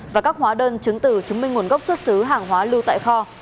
và các hóa đơn chứng từ chứng minh nguồn gốc xuất xứ hàng hóa lưu tại kho